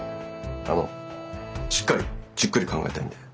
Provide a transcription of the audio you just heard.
あのしっかりじっくり考えたいんで。